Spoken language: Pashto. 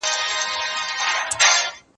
دوی چي ول ته به بريالی سې